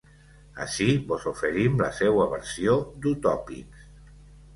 Ací vos oferim la seua versió dUtòpics